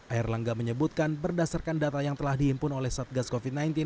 air langga menyebutkan berdasarkan data yang telah dihimpun oleh satgas covid sembilan belas